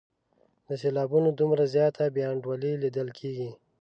د سېلابونو دومره زیاته بې انډولي لیدل کیږي.